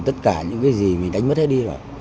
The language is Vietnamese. tất cả những cái gì mà tự nhiên tôi less thanh xuân rồi